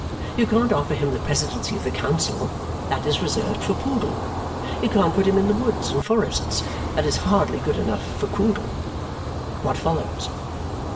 You can't offer him the Presidency of the Council; that is reserved for Poodle. You can't put him in the Woods and Forests; that is hardly good enough for Quoodle. What follows?